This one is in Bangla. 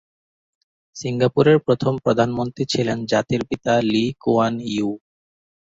সিঙ্গাপুরের প্রথম প্রধানমন্ত্রী ছিলেন জাতির পিতা লি কুয়ান ইউ।